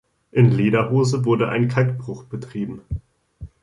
In Lederhose wurde ein Kalkbruch betrieben.